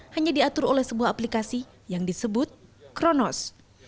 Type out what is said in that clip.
hanya diatur oleh sebuah aplikasi yang disebut kronos